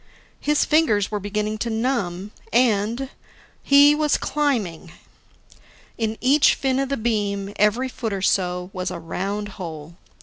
His fingers were beginning to numb. And he was climbing! In each fin of the beam, every foot or so, was a round hole.